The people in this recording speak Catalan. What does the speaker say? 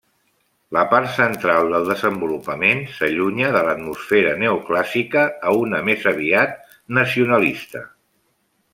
La part central del desenvolupament s'allunya de l'atmosfera neoclàssica a una més aviat nacionalista.